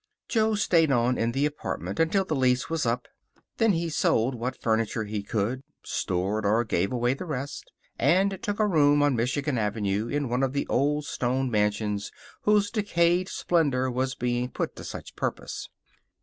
Jo stayed on in the apartment until the lease was up. Then he sold what furniture he could, stored or gave away the rest, and took a room on Michigan Avenue in one of the old stone mansions whose decayed splendor was being put to such purpose.